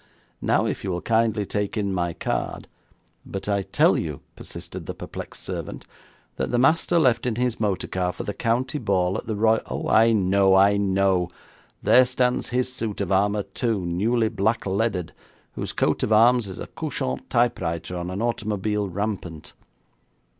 Now if you will kindly take in my card ' 'But I tell you,' persisted the perplexed servant, 'that the master left in his motor car for the county ball at the Royal ' 'Oh, I know, I know. There stands his suit of armour, too, newly blackleaded, whose coat of arms is a couchant typewriter on an automobile rampant.'